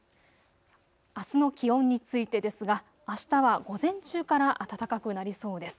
あすの気温についてですがあしたは午前中から暖かくなりそうです。